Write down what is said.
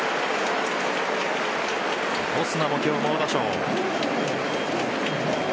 オスナも今日、猛打賞。